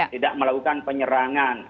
tidak melakukan penyerangan